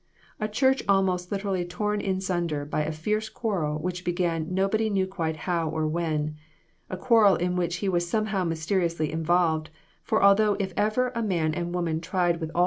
A church almost liter ally torn in sunder by a fierce quarrel which began nobody quite knew how or when ; a quarrel in which he was somehow mysteriously involved ; for, although if ever man and woman tried with all 204 CROSS LOTS.